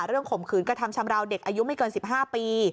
ข่มขืนกระทำชำราวเด็กอายุไม่เกิน๑๕ปี